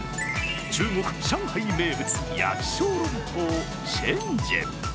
中国・上海名物、焼小籠包、生煎。